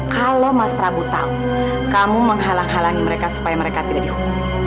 kalau mas prabu tahu kamu menghalang halangi mereka supaya mereka tidak dihukum